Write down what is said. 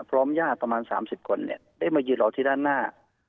ญาติประมาณ๓๐คนได้มายืนรอที่ด้านหน้า